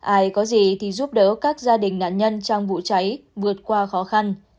ai có gì thì giúp đỡ các gia đình nạn nhân trong vụ cháy vượt qua khó khăn